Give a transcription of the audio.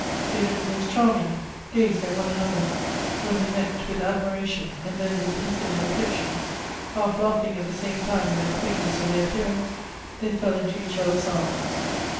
They looked most charming, gazed at one another, when they met, with admiration, and then with infinite affection, half laughing at the same time at the quaintness of their appearance, they fell into each other's arms.